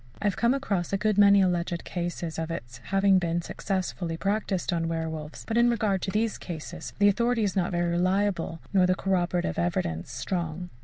I have come across a good many alleged cases of its having been successfully practised on werwolves, but in regard to these cases, the authority is not very reliable, nor the corroborative evidence strong.